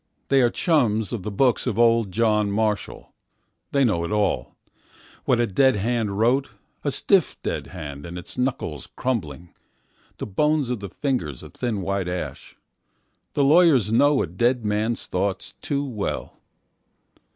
They are chums of the books of old John Marshall.They know it all, what a dead hand Wrote,A stiff dead hand and its knuckles crumbling, The bones of the fingers a thin white ash. The lawyers knowa dead man's thoughts too well.